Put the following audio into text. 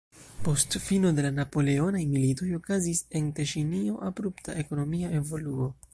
Post fino de la napoleonaj militoj okazis en Teŝinio abrupta ekonomia evoluo.